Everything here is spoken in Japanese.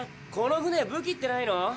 この船武器ってないの？